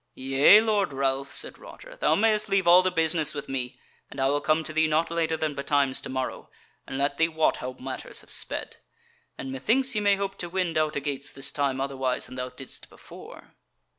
"Yea, Lord Ralph," said Roger, "thou mayest leave all the business with me, and I will come to thee not later than betimes to morrow, and let thee wot how matters have sped. And methinks ye may hope to wend out a gates this time otherwise than thou didest before."